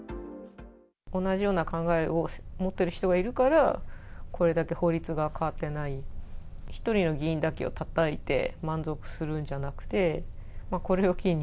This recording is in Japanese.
同じような考えを持っている人がいるから、これだけ法律が変わってない、１人の議員だけをたたいて満足するんじゃなくて、これを機に、